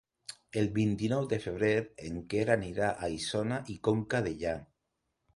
El vint-i-nou de febrer en Quer anirà a Isona i Conca Dellà.